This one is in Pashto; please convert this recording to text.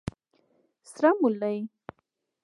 🫜 سره مولي